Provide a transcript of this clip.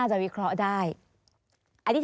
สวัสดีครับทุกคน